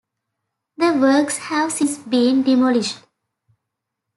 The works have since been demolished.